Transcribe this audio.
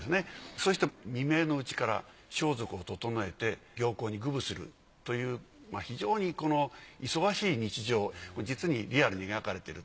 そして未明のうちから装束を整えて行幸に供奉するという非常に忙しい日常が実にリアルに描かれている。